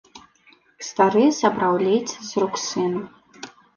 Стары забраў лейцы з рук сына.